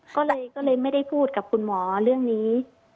ก็เลยไม่ได้พูดกับคุณหมอเรื่องนี้